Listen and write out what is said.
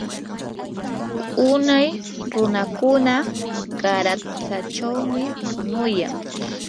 unay runakuna qaratsachawmi punuyan.